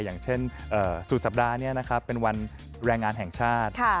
อย่างเช่นสุดสัปดาห์เป็นวันแรงงานแห่งชาติ